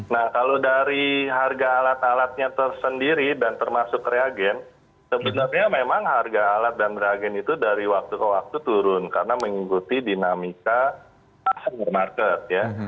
nah kalau dari harga alat alatnya tersendiri dan termasuk reagen sebenarnya memang harga alat dan reagen itu dari waktu ke waktu turun karena mengikuti dinamika pasar market ya